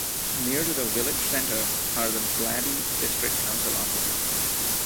Near to the village centre are the Blaby District Council offices.